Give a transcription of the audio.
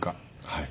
はい。